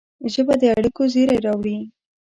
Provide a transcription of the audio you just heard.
ژبه د اړیکو زېری راوړي